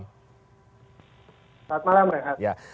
selamat malam rehat